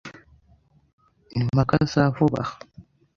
impaka za vuba aha